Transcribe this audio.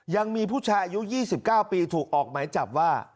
ยังมีผู้ชายอายุ๒๙ปีถูกออกหมายจับว่า